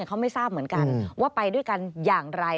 เขาไม่ทราบเหมือนกันว่าไปด้วยกันอย่างไร